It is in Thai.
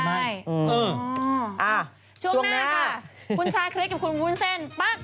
ก็ไม่ได้อืออ้าช่วงหน้าค่ะคุณชายเคลียร์กับคุณวุ้นเส้นป้ากัน